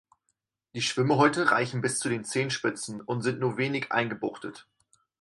Die Schwimmhäute reichen bis zu den Zehenspitzen und sind nur wenig eingebuchtet.